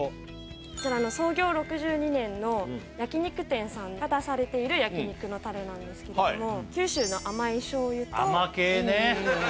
こちら創業６２年の焼肉店さんが出されている焼肉のタレなんですけれども九州の甘い醤油と甘系ね！